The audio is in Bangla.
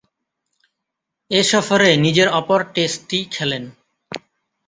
এ সফরে নিজের অপর টেস্টটি খেলেন।